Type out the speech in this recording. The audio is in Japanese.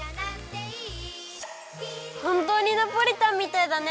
ほんとうにナポリタンみたいだね！